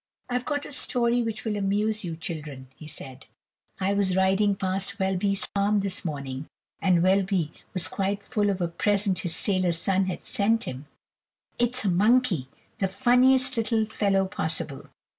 "I've got a story which will amuse you, children," he said. "I was riding past Welby's farm this morning, and Welby was quite full of a present his sailor son has sent him. It is a monkey the funniest little fellow possible.